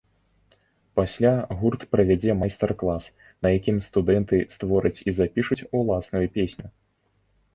Пасля гурт правядзе майстар-клас, на якім студэнты створаць і запішуць уласную песню.